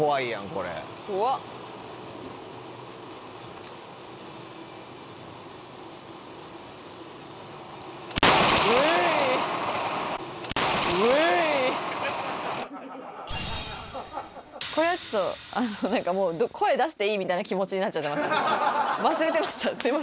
これはちょっと、あのなんか、声出していいみたいな気持ちになっちゃってましたね。